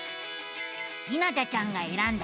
ひなたちゃんがえらんだ